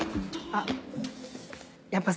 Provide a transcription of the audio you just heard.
あっ！